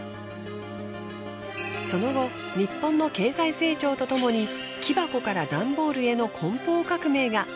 その後日本の経済成長とともに木箱から段ボールへの梱包革命が。